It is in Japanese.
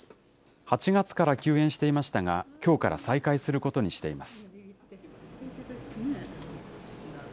８月から休園していましたが、きょうから再開することにしています。